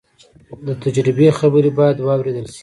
د تجربې خبرې باید واورېدل شي.